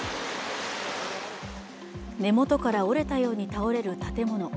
根元から折れたように倒れる建物。